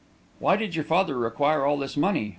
"Why did your father require all this money?"